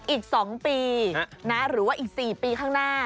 อีก๒ปีหรือว่าอีก๔ปีข้างหน้า